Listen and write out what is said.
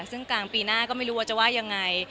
ซึ่งกลางปีหน้าก็ไม่รู้ว่าจะว่ายังไง